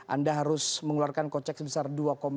anda harus mengeluarkan kocek sebesar